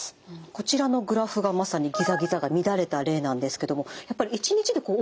こちらのグラフがまさにギザギザが乱れた例なんですけどもやっぱり１日で大きく上がってしまうということがあるんですね。